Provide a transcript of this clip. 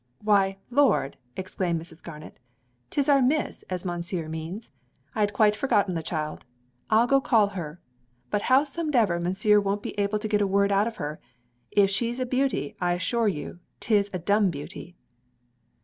'Why, Lord,' exclaimed Mrs. Garnet, 'tis our Miss as Mounseer means; I had a quite forgot the child; I'll go call her; but howsomdever Mounseer won't be able to get a word out of her; if she's a beauty I asshore you 'tis a dumb beauty.'